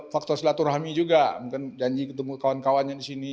faktor silaturahmi juga mungkin janji ketemu kawan kawannya di sini